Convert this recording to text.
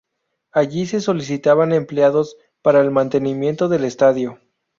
Allí se solicitaban empleados para el mantenimiento del estadio.